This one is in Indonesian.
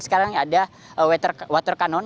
sekarang ada water cannon